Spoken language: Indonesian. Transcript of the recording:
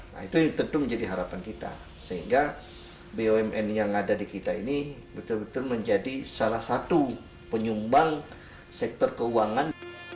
nah itu tentu menjadi harapan kita sehingga bumn yang ada di kita ini betul betul menjadi salah satu penyumbang sektor keuangan